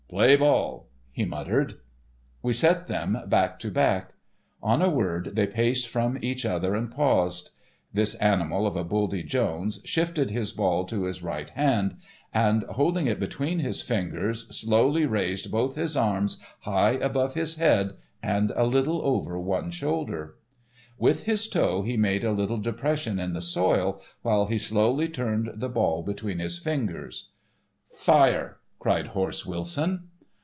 "Play ball!" he muttered. We set them back to back. On the word they paced from each other and paused. "This Animal of a Buldy Jones" shifted his ball to his right hand, and, holding it between his fingers, slowly raised both his arms high above his head and a little over one shoulder. With his toe he made a little depression in the soil, while he slowly turned the ball between his fingers. "Fire!" cried "Horse" Wilson.